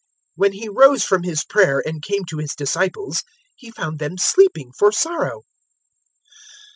022:045 When He rose from his prayer and came to His disciples, He found them sleeping for sorrow.